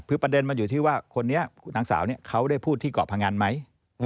คือประเด็นมันอยู่ที่ว่าคนนี้นางสาวเขาได้พูดที่เกาะพงันไหม